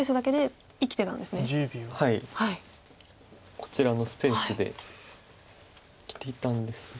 こちらのスペースで生きていたんですが。